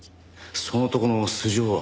その男の素性は？